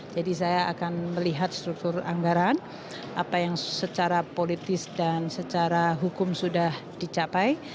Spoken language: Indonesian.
jadi saya akan melihat struktur anggaran apa yang secara politis dan secara hukum sudah dicapai